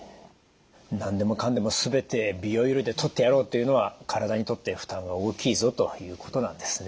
何でもかんでも全て美容医療でとってやろうというのは体にとって負担が大きいぞということなんですね。